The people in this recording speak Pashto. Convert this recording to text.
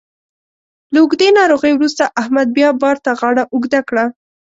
له اوږدې ناروغۍ وروسته احمد بیا بار ته غاړه اوږده کړه.